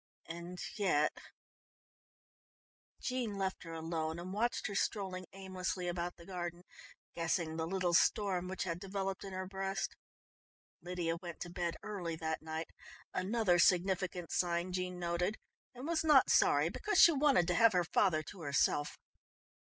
And yet Jean left her alone and watched her strolling aimlessly about the garden, guessing the little storm which had developed in her breast. Lydia went to bed early that night, another significant sign Jean noted, and was not sorry, because she wanted to have her father to herself.